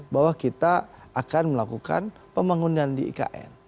bahwa kita akan melakukan pembangunan di ikn